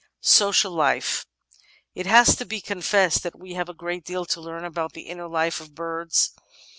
Social Life It has to be confessed that we have a great deal to learn about the inner life of birds.